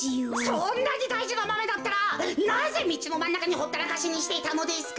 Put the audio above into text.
そんなにだいじなマメだったらなぜみちのまんなかにほったらかしにしてたのですか？